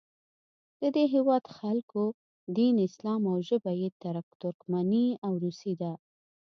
د دې هیواد خلکو دین اسلام او ژبه یې ترکمني او روسي ده.